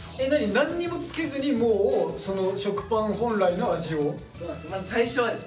何にもつけずにもうその食パン本来の味を？